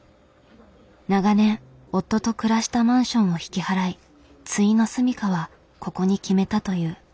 長年夫と暮らしたマンションを引き払いついの住みかはここに決めたという。